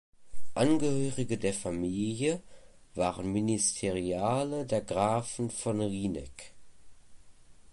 Angehörige der Familie waren Ministeriale der Grafen von Rieneck.